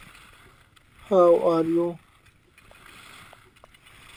هەموو ڕۆژ میرجە لەبن دارێک چاوەنۆڕ بوو